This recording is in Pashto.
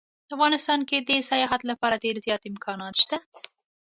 افغانستان کې د سیاحت لپاره ډیر زیات امکانات شته